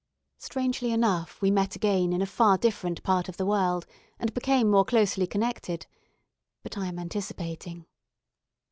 Strangely enough, we met again in a far different part of the world, and became more closely connected. But I am anticipating.